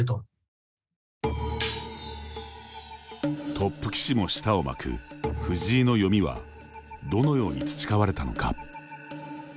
トップ棋士も舌を巻く藤井の読みはどのように培われたのか。